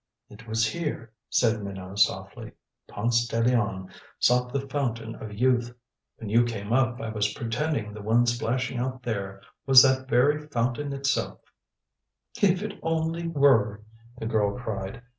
"It was here," said Minot softly, "Ponce de Leon sought the fountain of youth. When you came up I was pretending the one splashing out there was that very fountain itself " "If it only were," the girl cried.